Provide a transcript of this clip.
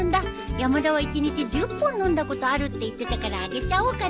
山田は１日１０本飲んだことあるって言ってたからあげちゃおうかな。